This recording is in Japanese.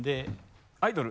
アイドル？